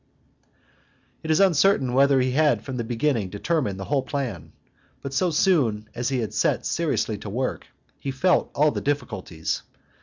It is uncertain whether he had from the very first determined the whole plan; but so soon as he set seriously to work, he felt all the difficulties.